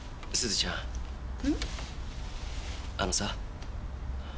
あのさ。